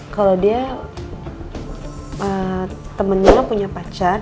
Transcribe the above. kalau dia temennya punya pacar